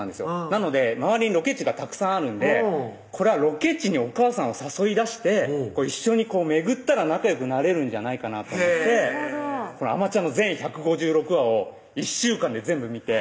なので周りにロケ地がたくさんあるんでこれはロケ地におかあさんを誘い出して一緒に巡ったら仲よくなれるんじゃないかなと思ってあまちゃんの全１５６話を１週間で全えぇ！